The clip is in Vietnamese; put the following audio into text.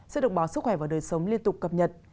sẽ được báo sức khỏe và đời sống liên tục cập nhật